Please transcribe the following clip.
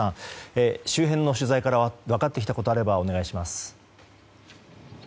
周辺の取材から分かってきたことがあればお願いします。